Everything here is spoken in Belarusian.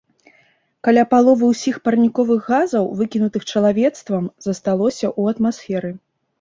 Каля паловы ўсіх парніковых газаў, выкінутых чалавецтвам, засталося ў атмасферы.